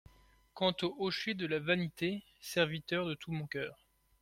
Quant aux hochets de la vanité, serviteur de tout mon coeur.